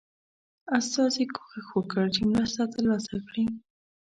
استازي کوښښ وکړ چې مرسته ترلاسه کړي.